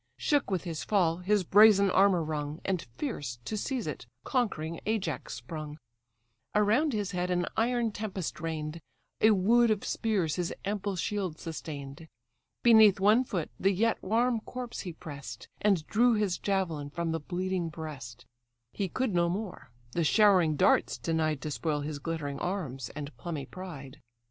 Shook with his fall his brazen armour rung, And fierce, to seize it, conquering Ajax sprung; Around his head an iron tempest rain'd; A wood of spears his ample shield sustain'd: Beneath one foot the yet warm corpse he press'd, And drew his javelin from the bleeding breast: He could no more; the showering darts denied To spoil his glittering arms, and plumy pride.